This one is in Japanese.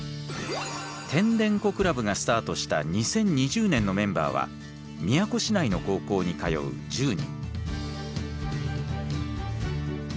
てんでんこクラブがスタートした２０２０年のメンバーは宮古市内の高校に通う１０人。